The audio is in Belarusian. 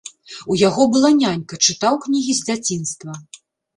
У яго была нянька, чытаў кнігі з дзяцінства.